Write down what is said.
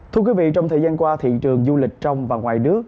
thưa quý vị trong thời gian qua thị trường du lịch trong và ngoài nước